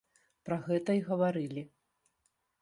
Пра гэта і гаварылі.